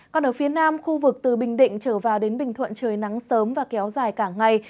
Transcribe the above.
còn ở phía nam khu vực từ bình định trở vào đến bình thuận trời nắng sớm và kéo dài cả ngày